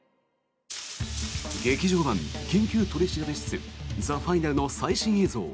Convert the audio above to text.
劇場版「緊急取調室ＴＨＥＦＩＮＡＬ」の最新映像！